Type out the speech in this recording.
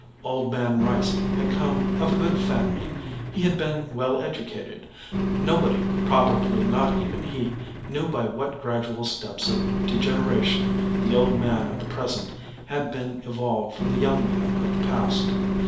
Old Man Rice had come of a good family. He had been well educated. Nobody, probably not even he, knew by what gradual steps of degenera tion the old man of the present had been evolved from the young man of the past.